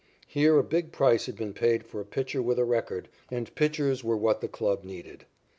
Here a big price had been paid for a pitcher with a record, and pitchers were what the club needed.